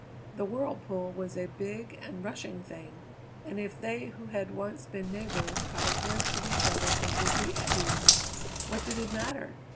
The whirlpool was a big and rushing thing, and if they who had once been neighbours caught a glimpse of each other from dizzy eddies, what did it matter?